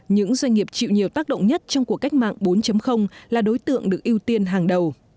những doanh nghiệp chịu nhiều tác động nhất trong cuộc cách mạng bốn là đối tượng được ưu tiên hàng đầu